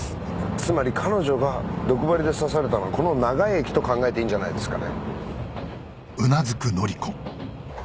つまり彼女が毒針で刺されたのはこの長井駅と考えていいんじゃないですかね？